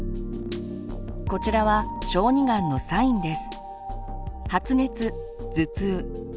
こちらは小児がんのサインです。